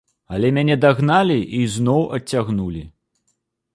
Але мяне дагналі і зноў адцягнулі.